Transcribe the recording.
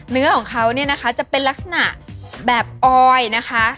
เนื้อของเขาเนี่ยนะคะจะเป็นลักษณะแบบออยนะคะ